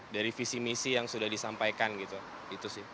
dari visi misi yang sudah disampaikan gitu